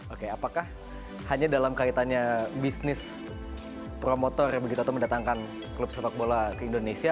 oke apakah hanya dalam kaitannya bisnis promotor begitu atau mendatangkan klub sepak bola ke indonesia